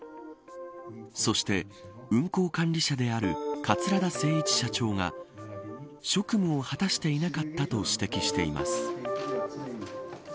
そして、運航管理者である桂田精一社長が職務を果たしていなかったと指摘しています。